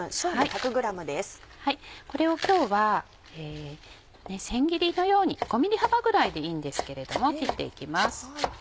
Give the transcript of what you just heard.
これを今日は千切りのように５ｍｍ幅ぐらいでいいんですけれども切って行きます。